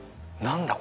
何だ？